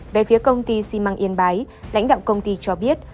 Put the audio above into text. về phía công ty xi măng yên bái lãnh đạo công ty cho biết